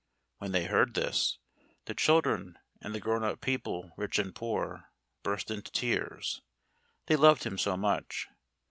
When they heard this, the children and the grown up people, rich and poor, burst into tears, they loved him so much.